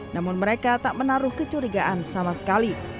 namun mereka tak menaruh kecurigaan sama sekali